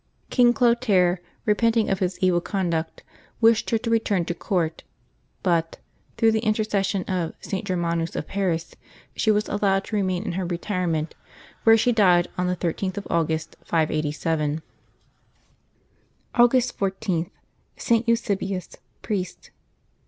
King Clotaire, re penting of his evil conduct, wished her to return to court, but, through the intercession of St. Germanus of Paris, she was allowed to remain in her retirement, where she died on the 13th of August, 587. August 14.— ST. EUSEBIUS, Priest.